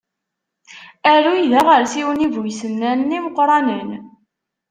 Aruy d aɣersiw-nni bu isennanen imeqqranen.